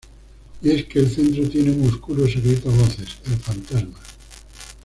Y es que el centro tiene un oscuro secreto a voces; el Fantasma.